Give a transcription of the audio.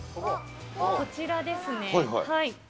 こちらですね。